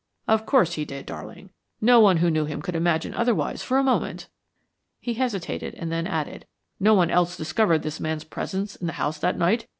"Of course he did, darling. No one who knew him could imagine otherwise for a moment." He hesitated, and then added, "No one else discovered this man's presence in the house that night?